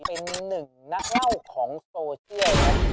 เป็นหนึ่งนักเล่าของโซเชียลครับ